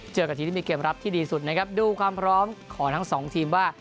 กับทีมที่มีเกมรับที่ดีสุดนะครับดูความพร้อมของทั้งสองทีมว่า